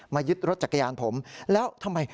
ยึดรถจักรยานผมแล้วทำไม